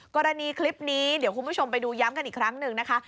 กรณีคลิปนี้เดี๋ยวคุณผู้ชมไปดูย้ำกันอีกครั้งหนึ่งนะคะ